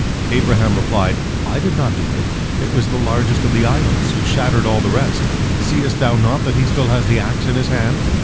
Abraham replied: "I did not do it; it was the largest of the idols who shattered all the rest. Seest thou not that he still has the axe in his hand?